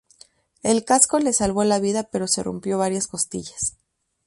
El casco le salvó la vida pero se rompió varias costillas.